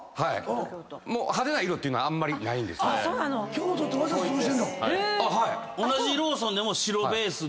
京都ってわざとそうしてんの⁉はい。